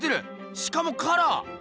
しかもカラー！